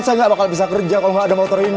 saya nggak bakal bisa kerja kalau nggak ada motor ini